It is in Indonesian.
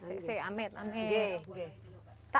ini panggilan yang lainnya ya